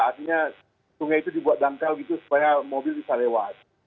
artinya sungai itu dibuat dangkal gitu supaya mobil bisa lewat